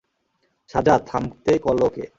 সাজ্জাদ, থামতে কলো ওকে।